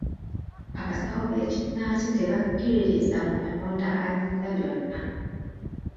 Abasawo b'ekinnansi tebakkiririza mu Katonda Ayinza byonna.